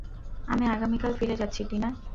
আমি আগামীকাল ফিরে যাচ্ছি, টিনা।